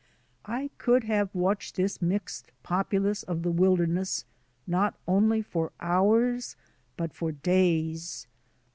I could have watched this mixed populace of the wilderness not only for hours, but for days.